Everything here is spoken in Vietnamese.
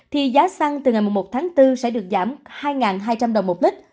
thì giá xăng từ ngày một tháng bốn sẽ được giảm hai hai trăm linh đồng một lít